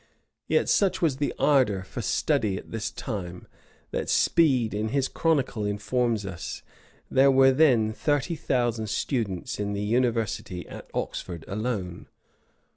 Yet such was the ardor for study at this time, that Speed in his Chronicle informs us, there were then thirty thousand students in the university of Oxford alone.